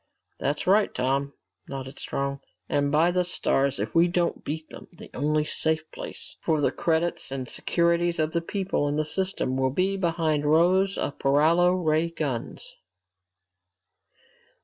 "That's right, Tom," nodded Strong. "And by the stars, if we don't beat them, the only safe place left for the credits and securities of the people in the system will be behind rows of paralo ray guns!"